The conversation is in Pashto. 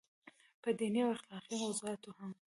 پۀ ديني او اخلاقي موضوعاتو هم